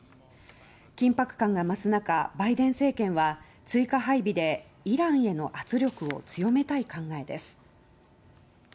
緊迫感が増す中バイデン政権は追加配備でイランへの圧力を強めたい考えです。